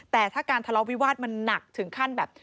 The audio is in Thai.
แต่ถ้าการทะเลาะวิวาสมันหนักถึงขั้นแบบ